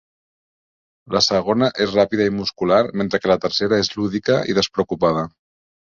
La segona és ràpida i muscular, mentre que la tercera és lúdica i despreocupada.